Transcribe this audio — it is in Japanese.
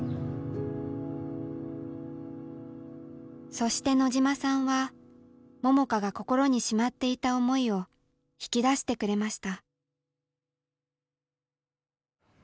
そして野島さんは桃佳が心にしまっていた思いを引き出してくれました。